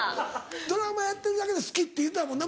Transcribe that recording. ドラマやってるだけで好きって言ってたもんな昔。